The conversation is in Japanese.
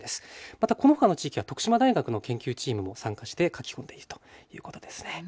またこのほかの地域は徳島大学の研究チームも参加して書き込んでいるということですね。